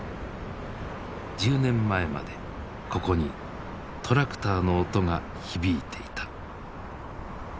１０年前までここにトラクターの音が響いていた。